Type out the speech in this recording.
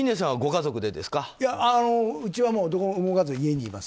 うちはどこも動かず家にいます。